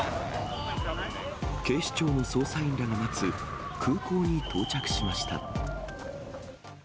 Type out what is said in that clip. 警視庁の捜査員らが待つ空港に到着しました。